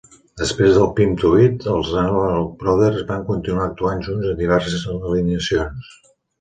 Després de "Pimp to Eat", els Analog Brothers van continuar actuant junts en diverses alineacions.